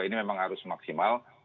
ini memang harus maksimal